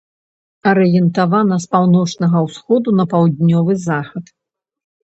Арыентавана з паўночнага ўсходу на паўднёвы захад.